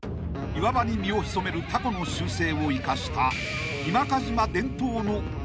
［岩場に身を潜めるタコの習性を生かした日間賀島］